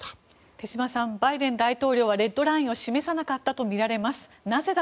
手嶋さんバイデン大統領はレッドラインを示さなかったとみられます。